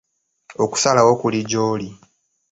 Okusalawo kuli gy'oli.